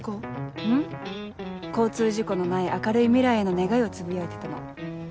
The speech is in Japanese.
交通事故のない明るい未来への願いをつぶやいてたの。